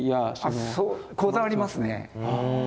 こだわりますね。